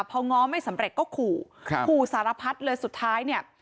พอง้อไม่สำเร็จก็ขู่ครับขู่สารพัดเลยสุดท้ายเนี่ย